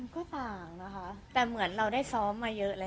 ขอบคุณครับ